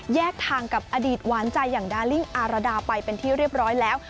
แยกทางกับอดีตหวานใจอย่างดาลิ่งอารดาไปเป็นที่เรียบร้อยแล้ว